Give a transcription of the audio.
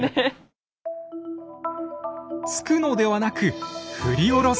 突くのではなく振り下ろす。